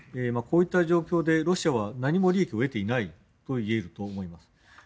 こういった状況でロシアは何も利益を得ていないといえると思います。